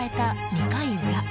２回裏。